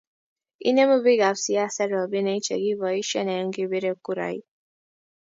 inemu biikap siaset robinik chegiboishen eng kepiree kurait